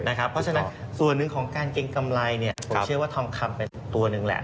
เพราะฉะนั้นส่วนหนึ่งของการเกรงกำไรผมเชื่อว่าทองคำเป็นตัวหนึ่งแหละ